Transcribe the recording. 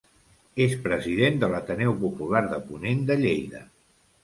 És president de l'Ateneu Popular de Ponent de Lleida.